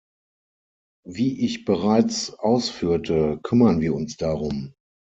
Wie ich bereits ausführte, kümmern wir uns darum.